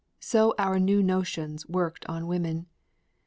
So our new notions worked on women.